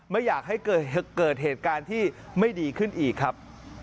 ไม่อยากให้เกิดเหตุการณ์ที่ไม่ดีขึ้นอีกครับ